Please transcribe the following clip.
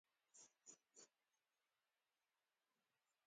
🐊 بورچېش